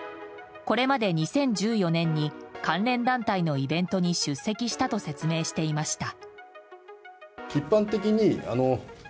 これまで２０１４年に関連団体のイベントに出席したと説明していました。